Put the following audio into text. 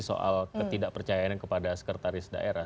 soal ketidakpercayaan kepada sekretaris daerah